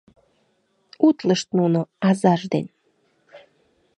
Утлышт нуно азаж ден.